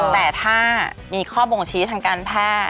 แต่ถ้ามีข้อบ่งชี้ทางการแพทย์